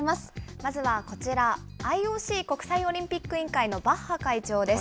まずはこちら、ＩＯＣ・国際オリンピック委員会のバッハ会長です。